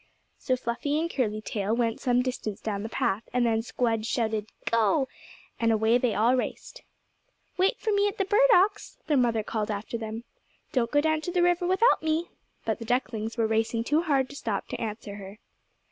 So Fluffy and Curly Tail went some distance down the path, and then Squdge shouted "Go!" and away they all raced. "Wait for me at the burdocks!" their mother called after them. "Don't go down to the river without me." But the ducklings were racing too hard to stop to answer her.